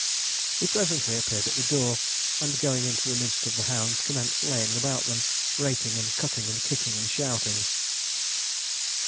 He presently appeared at the door, and, going into the midst of the hounds, commenced laying about him, rating, and cutting, and kicking, and shouting.